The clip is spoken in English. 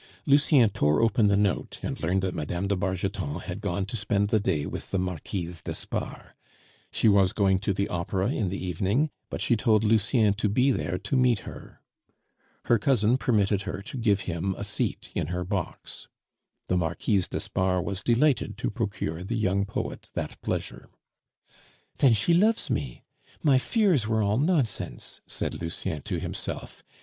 Lucien tore open the note, and learned that Mme. de Bargeton had gone to spend the day with the Marquise d'Espard. She was going to the Opera in the evening, but she told Lucien to be there to meet her. Her cousin permitted her to give him a seat in her box. The Marquise d'Espard was delighted to procure the young poet that pleasure. "Then she loves me! my fears were all nonsense!" said Lucien to himself.